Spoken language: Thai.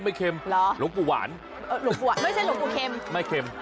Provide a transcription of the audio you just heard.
ไม่เข้มหลวงปู่หวานไม่ใช่หลวงปู่เข้มไม่เข้ม